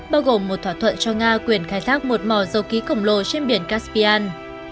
bao gồm một thỏa thuận cho nga quyền khai thác một mỏ dầu ký khổng lồ trên biển caspian